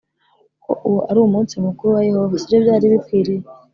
ko uwo ari umunsi mukuru wa Yehova si byo byari bikwiye